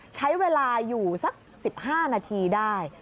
ใช้เวลาอยู่สัก๑๕นาทีได้